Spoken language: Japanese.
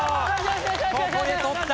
ここで取った！